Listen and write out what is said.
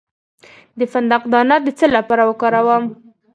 د فندق دانه د څه لپاره وکاروم؟